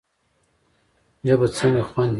ژبه څنګه خوند حس کوي؟